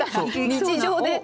日常で。